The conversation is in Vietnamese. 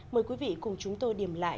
mời quý vị cùng chúng tôi điểm lại